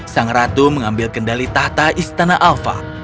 sang ratu mengambil kendali tahta istana alfa